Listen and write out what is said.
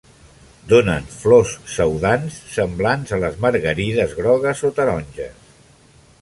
Donen flors pseudants semblants a les margarides grogues o taronges.